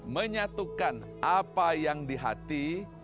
menyatukan apa yang di hati